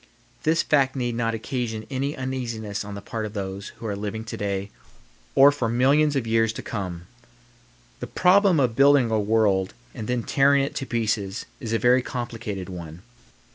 This fact need not occasion any uneasiness on the part of those who are living to day or for millions of years to come. The problem of building a world and then tearing it to pieces is a very complicated one.